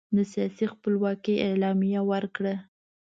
د سیاسي خپلواکۍ اعلامیه ورکړه.